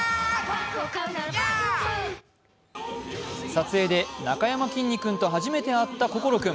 撮影でなかやまきんに君と初めて会った心君。